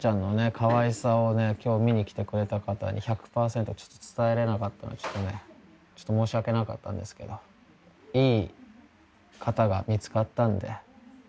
かわいさをね今日見に来てくれた方に１００％伝えれなかったのちょっとね申し訳なかったんですけどいい方が見つかったんで。